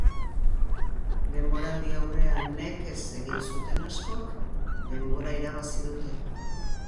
Denboraldi-aurrea nekez egin zuten askok denbora irabazi dute.